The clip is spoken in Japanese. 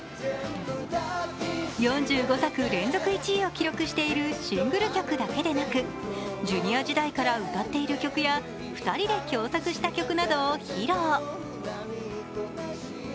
４５作連続１位を記録しているシングル曲だけでなくＪｒ．時代から歌っている曲や、２人で共作した曲を披露。